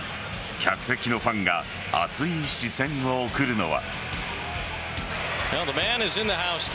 客席のファンが熱い視線を送るのは。